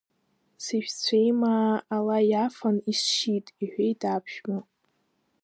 Сыжәцәеимаа ала иафан, исшьит, — иҳәеит аԥшәма.